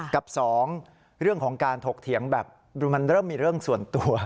กับสองเรื่องของการถกเถียงแบบมันเริ่มมีเรื่องส่วนตัว